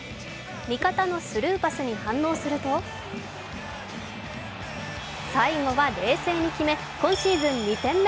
味方のスルーパスに反応すると、最後は冷静に決め、今シーズン２点目！